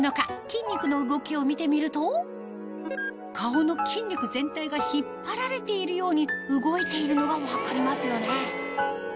筋肉の動きを見てみると顔の筋肉全体が引っ張られているように動いているのが分かりますよね？